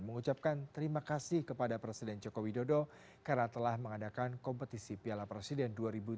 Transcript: mengucapkan terima kasih kepada presiden jokowi dodo karena telah mengadakan kompetisi piala presiden dua ribu delapan belas